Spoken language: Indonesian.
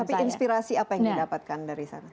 tapi inspirasi apa yang didapatkan dari sana